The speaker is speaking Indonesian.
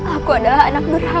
aku adalah anak nurhaka ray